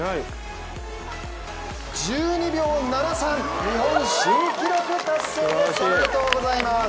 １２秒７３、日本新記録達成です！